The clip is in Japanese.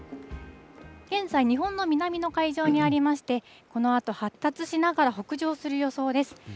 現在、日本の南の海上にありまして、このあと発達しながら北上する予想です。